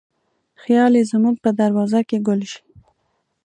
خیال یې زموږ په دروازه کې ګل شي